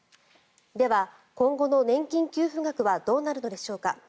では、今後の年金給付額はどうなるのでしょうか。